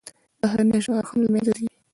بهرنی اشغال هم له منځه ځي.